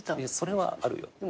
それはあるよ。